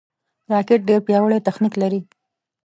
راکټ ډېر پیاوړی تخنیک لري